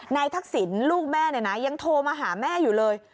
นายทักศิลป์ลูกแม่ยังโทรมาหาแม่อยู่เลย